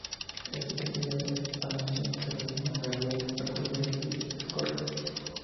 Éste, que tenía ambiciones sobre la Galia, acudió en su socorro.